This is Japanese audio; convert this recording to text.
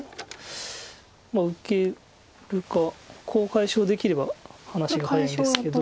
受けるかコウ解消できれば話が早いんですけど。